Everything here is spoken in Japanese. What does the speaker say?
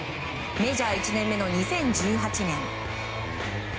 メジャー１年前の２０１８年。